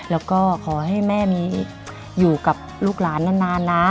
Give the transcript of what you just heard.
แล้วก็ขอให้แม่มีอยู่กับลูกหลานนานนะ